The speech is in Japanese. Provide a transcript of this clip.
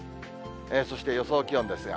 そして、予想気温ですが。